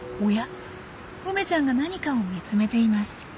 梅ちゃんが何かを見つめています。